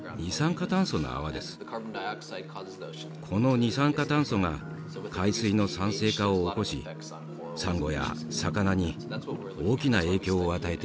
この二酸化炭素が海水の酸性化を起こしサンゴや魚に大きな影響を与えています。